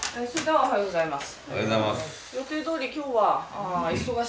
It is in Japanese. おはようございます。